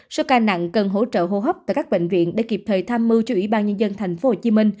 số ca nặng cần hỗ trợ hô hấp tại các bệnh viện để kịp thời tham mưu cho ủy ban nhân dân tp hcm